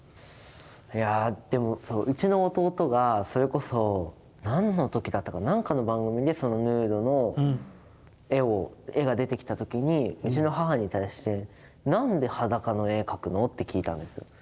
いやあでもうちの弟がそれこそ何の時だったか何かの番組でそのヌードの絵が出てきた時にうちの母に対して「なんで裸の絵描くの？」って聞いたんですよ。